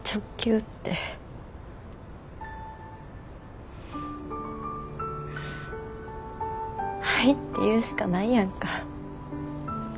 「はい」って言うしかないやんか。